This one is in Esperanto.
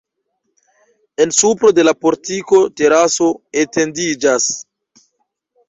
En supro de la portiko teraso etendiĝas.